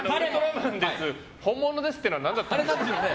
本物ですっていうのは何だったの？